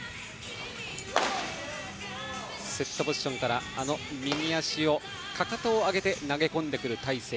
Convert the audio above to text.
セットポジションから右足のかかとを上げて投げ込んでくる大勢。